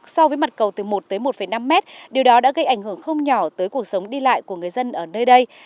cây cầu từ một tới một năm mét điều đó đã gây ảnh hưởng không nhỏ tới cuộc sống đi lại của người dân ở nơi đây